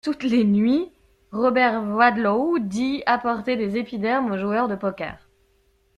Toutes les nuits, Robert Wadlow dit apporter des épidermes au joueur de poker!